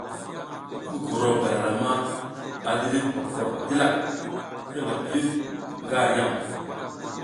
Mukukuro palalama a dilik poprok dilak hirnga puyuk nga ar yam.